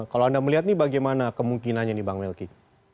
kalau anda melihat ini bagaimana kemungkinannya nih bang melki